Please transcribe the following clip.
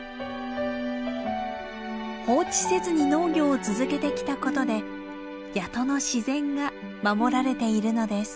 放置せずに農業を続けてきたことで谷戸の自然が守られているのです。